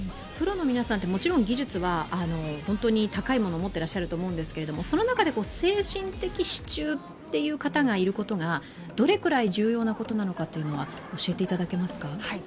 プロの皆さんってもちろん技術は本当に高いものを持ってらっしゃると思うんですけどもその中で精神的支柱という方がいることがどれくらい重要なことなのか教えていただけますか？